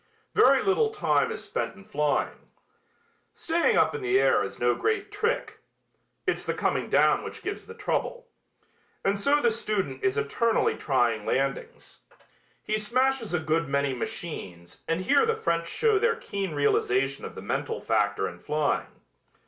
Very little time is spent in flying. Staying up in the air is no great trick. It's the coming down which gives the trouble. And so the student is eternally trying landings. He smashes a good many machines and here the French show their keen realization of the mental factor in flying.